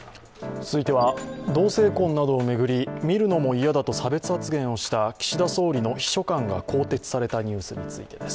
続いては同性婚などを巡り見るのも嫌だなどと差別発言をした岸田総理の秘書官が更迭されたニュースについてです。